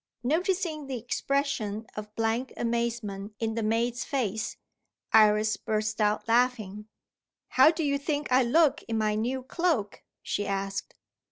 Noticing the expression of blank amazement in the maid's face, Iris burst out laughing. "How do you think I look in my new cloak?" she asked.